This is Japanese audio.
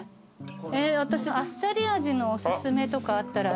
私あっさり味のおすすめとかあったら。